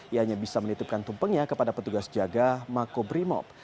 ianya bisa menitupkan tumpengnya kepada petugas jaga mako berimob